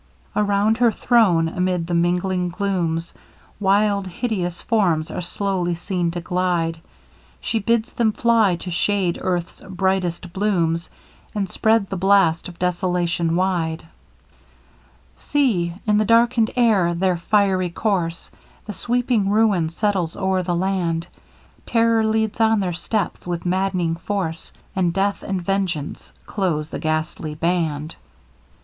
Around her throne, amid the mingling glooms, Wild hideous forms are slowly seen to glide, She bids them fly to shade earth's brightest blooms, And spread the blast of Desolation wide. See! in the darkened air their fiery course! The sweeping ruin settles o'er the land, Terror leads on their steps with madd'ning force, And Death and Vengeance close the ghastly band!